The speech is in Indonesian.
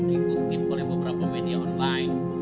diikuti oleh beberapa media online